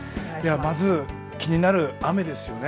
まず気になる雨ですよね。